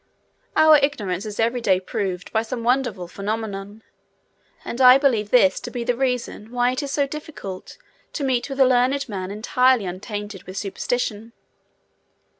Our ignorance is every day proved by some wonderful phenomenon, and I believe this to be the reason why it is so difficult to meet with a learned man entirely untainted with superstition.